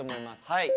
はい。